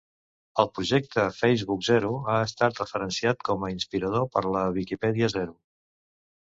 El projecte Facebook Zero ha estat referenciat com a inspirador per la Viquipèdia Zero.